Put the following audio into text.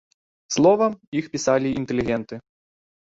Словам, іх пісалі інтэлігенты.